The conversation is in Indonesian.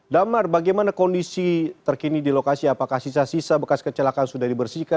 damar bagaimana kondisi terkini di lokasi apakah sisa sisa bekas kecelakaan sudah dibersihkan